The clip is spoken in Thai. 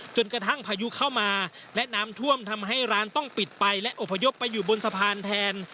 กระทั่งพายุเข้ามาและน้ำท่วมทำให้ร้านต้องปิดไปและอพยพไปอยู่บนสะพานแทน